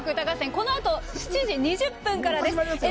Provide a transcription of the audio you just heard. このあと夜７時２０分から。